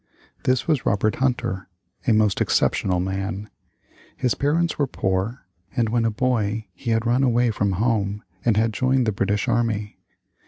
This was Robert Hunter, a most exceptional man. His parents were poor, and when a boy he had run away from home and had joined the British army.